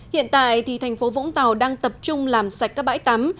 hiện tại thì thành phố vũng tàu đang tập trung làm sạch các bãi tắm